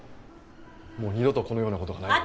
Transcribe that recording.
もう二度とこのような事がないように。